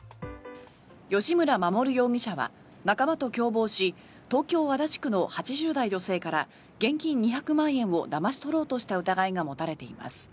吉村守容疑者は仲間と共謀し東京・足立区の８０代女性から現金２００万円をだまし取ろうとした疑いが持たれています。